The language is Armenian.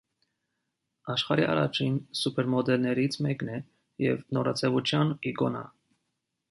Աշխարհի առաջին սուպերմոդելներից մեկն է և նորաձևության իկոնա։